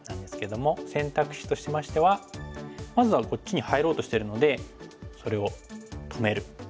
選択肢としましてはまずはこっちに入ろうとしてるのでそれを止める。